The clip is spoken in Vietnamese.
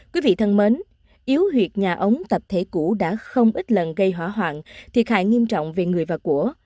quý vị thân mến yếu việc nhà ống tập thể cũ đã không ít lần gây hỏa hoạn thiệt hại nghiêm trọng về người và của